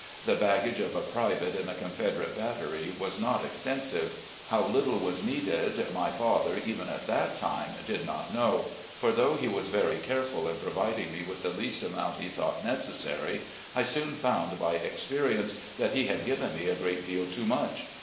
The baggage of a private in a Confederate battery was not extensive. How Httle was needed my father, even at that time, did not know, for though he was very careful in providing me with the least amount he thought necessary, I soon found by experience that he had given me a great deal too much.